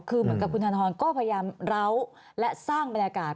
คือเหมือนกับคุณธนทรก็พยายามเล้าและสร้างบรรยากาศ